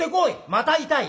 「また痛い」。